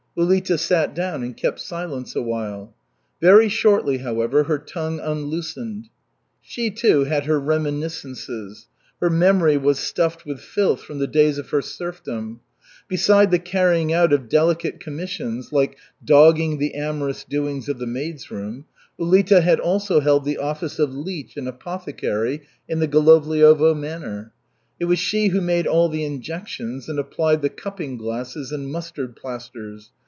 Ulita sat down and kept silence a while. Very shortly, however, her tongue unloosened. She, too, had her reminiscences. Her memory was stuffed with filth from the days of her serfdom. Beside the carrying out of delicate commissions like dogging the amorous doings of the maids' room, Ulita had also held the office of leech and apothecary in the Golovliovo manor. It was she who made all the injections, and applied the cupping glasses and mustard plasters.